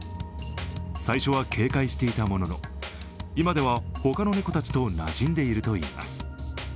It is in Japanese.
最初は警戒していたものの今では、他の猫たちとなじんでいるといいます。